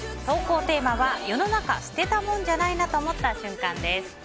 投稿テーマは世の中捨てたもんじゃないな！と思った瞬間です。